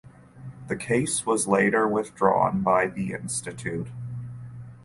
The case was later withdrawn by the institute.